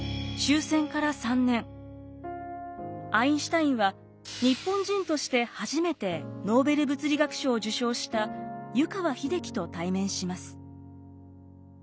アインシュタインは日本人として初めてノーベル物理学賞を受賞した湯川秀樹と対面します。